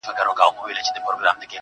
ته چیري تللی یې اشنا او زندګي چیري ده.